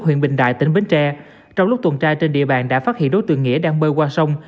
huyện bình đại tỉnh bến tre trong lúc tuần tra trên địa bàn đã phát hiện đối tượng nghĩa đang bơi qua sông